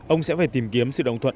ông sẽ phải tìm kiếm sự đồng thuận